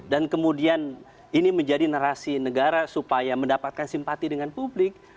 dan kemudian ini menjadi narasi negara supaya mendapatkan simpati dengan publik